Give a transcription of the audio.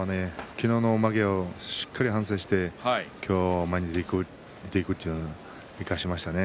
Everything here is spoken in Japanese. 昨日の負けをしっかり反省して今日は前に出ていくという感じでしたね。